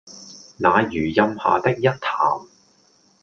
那榆蔭下的一潭